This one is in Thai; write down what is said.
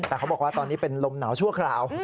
แต่เขาบอกว่าตอนนี้เป็นลมหนาวชั่วคราว